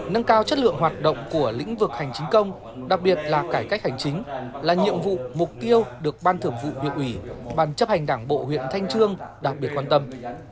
nâng cao chất lượng hoạt động của lĩnh vực hành chính công đặc biệt là cải cách hành chính là nhiệm vụ mục tiêu được ban thưởng vụ huyện ủy ban chấp hành đảng bộ huyện thanh trương đặc biệt quan tâm